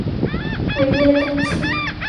尾叶冬青